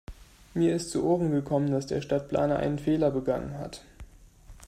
Mir ist zu Ohren gekommen, dass der Stadtplaner einen Fehler begangen hat.